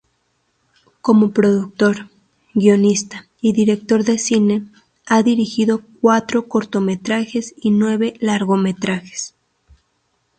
Como productor, guionista y director de cine, ha dirigido cuatro cortometrajes y nueve largometrajes.